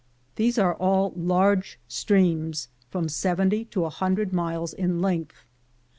These are all large streams from seventy to a hundred miles in length.